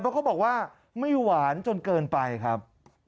เพราะเขาบอกว่าไม่หวานจนเกินไปครับ